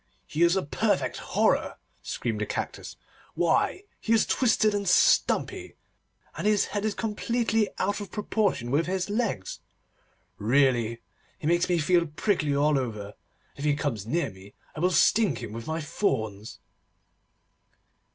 'He is a perfect horror!' screamed the Cactus. 'Why, he is twisted and stumpy, and his head is completely out of proportion with his legs. Really he makes me feel prickly all over, and if he comes near me I will sting him with my thorns.